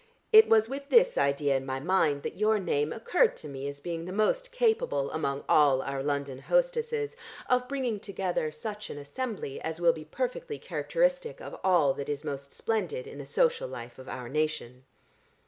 It was with this idea in my mind that your name occurred to me as being the most capable among all our London hostesses of bringing together such an assembly as will be perfectly characteristic of all that is most splendid in the social life of our nation."